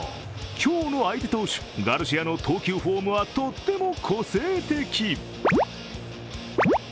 今日の相手投手・ガルシアの投球フォームはとっても個性的。